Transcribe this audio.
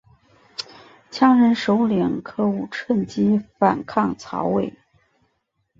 羌人首领柯吾趁机反抗曹魏。